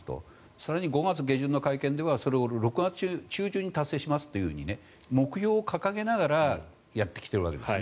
それに５月下旬の会見ではそれを、６月中旬に達成しますというふうに目標を掲げながらやってきているわけですね。